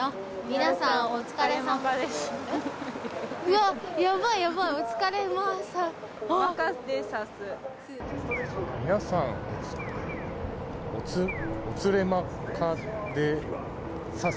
皆さんお疲れさまです。